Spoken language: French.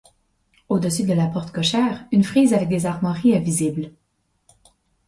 Au-dessus de la porte cochère, une frise avec des armoiries est visible.